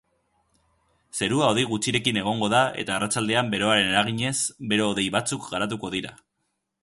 Zerua hodei gutxirekin egongo da eta arratsaldean beroaren eraginez bero-hodei batzuk garatuko dira.